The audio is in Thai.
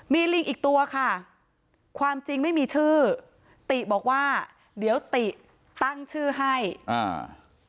มีลิงอีกตัวค่ะความจริงไม่มีชื่อติบอกว่าเดี๋ยวติตั้งชื่อให้อ่า